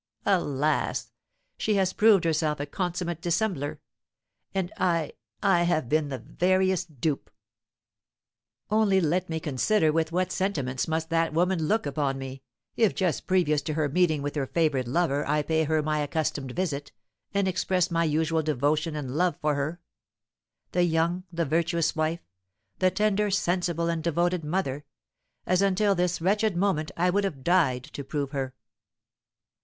Alas! she has proved herself a consummate dissembler; and I I have been the veriest dupe! Only let me consider with what sentiments must that woman look upon me, if just previous to her meeting with her favoured lover I pay her my accustomed visit, and express my usual devotion and love for her, the young, the virtuous wife, the tender, sensible, and devoted mother, as until this wretched moment I would have died to prove her.